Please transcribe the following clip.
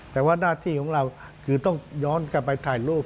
แต่ว่าหน้าที่ของเราคือต้องย้อนกลับไปถ่ายรูป